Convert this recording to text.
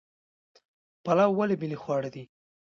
پلاو ولې ملي خواړه دي؟